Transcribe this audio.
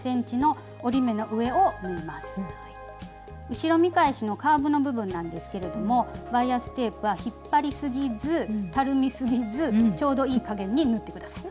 後ろ見返しのカーブの部分なんですけれどもバイアステープは引っ張りすぎずたるみすぎずちょうどいい加減に縫ってください。